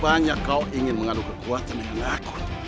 banyak kau ingin mengadu kekuatan dengan aku